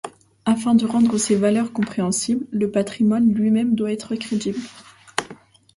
Afin de rendre ces valeurs compréhensibles, le patrimoine lui-même doit être crédible.